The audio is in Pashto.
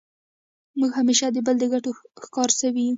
موږ همېشه د بل د ګټو ښکار سوي یو.